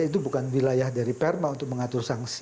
itu bukan wilayah dari perma untuk mengatur sanksi